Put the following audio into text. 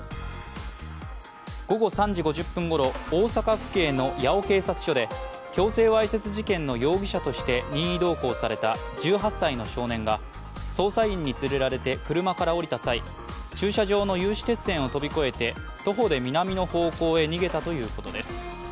午後３時５０分ごろ大阪府警の八尾警察署で強制わいせつ事件の容疑者として任意同行された１８歳の少年が捜査員に連れられて車から降りた際、駐車場の有刺鉄線を飛び越えて徒歩で南の方向へ逃げたということです。